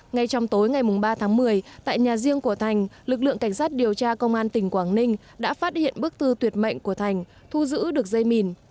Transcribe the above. ngay trong tối ngày ba tháng một mươi tại nhà riêng của thành lực lượng cảnh sát điều tra công an tỉnh quảng ninh đã phát hiện bức thư tuyệt mệnh của thành thu giữ được dây mìn